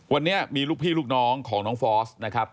วันนี้มีลูกพี่ลูกน้องของน้องฟอสนะครับ